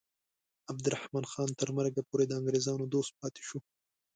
عبدالرحمن خان تر مرګه پورې د انګریزانو دوست پاتې شو.